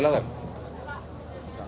apakah tetangga hari bapak